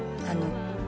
あの。